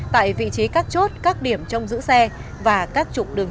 tại vị trí các chốt các điểm trong giữ xe và các trục đường